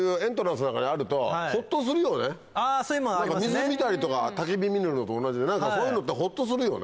水見たりとかたき火見るのと同じでそういうのってホッとするよね。